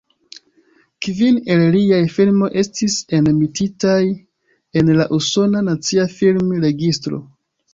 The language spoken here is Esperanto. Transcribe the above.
Kvin el liaj filmoj estis enmetitaj en la Usona Nacia Film-Registro.